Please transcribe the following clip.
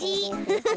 フフフフ。